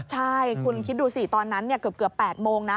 ใช่คุณคิดดูสิตอนนั้นเกือบ๘โมงนะ